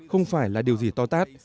không phải là điều gì to tát